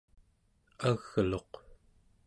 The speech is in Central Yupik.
agluq